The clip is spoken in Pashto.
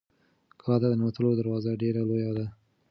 کلا ته د ننوتلو دروازه ډېره لویه ده.